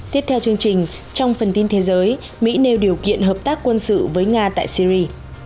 tiếp theo chương trình trong phần tin thế giới mỹ nêu điều kiện hợp tác quân sự với nga tại syri